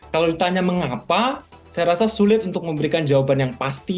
kalau ditanya mengapa saya rasa sulit untuk memberikan jawaban yang pasti